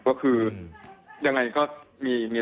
ก็คือยังไงก็มี